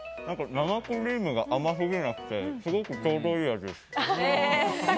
生クリームが甘すぎなくて、ちょうどいい味です。